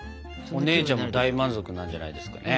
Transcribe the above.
お姉ちゃんも大満足なんじゃないですかね？